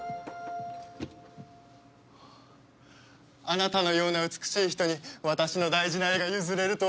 あなたのような美しい人に私の大事な絵が譲れるとは。